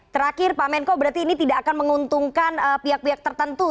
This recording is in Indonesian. terakhir pak menko berarti ini tidak akan menguntungkan pihak pihak tertentu